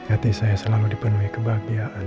hati saya selalu dipenuhi kebahagiaan